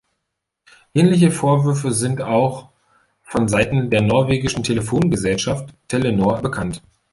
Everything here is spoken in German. Ähnliche Vorwürfe sind auch von Seiten der norwegischen Telefongesellschaft Telenor bekannt.